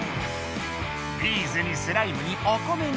ビーズにスライムにお米に。